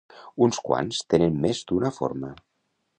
Uns quants tenen més d'una forma.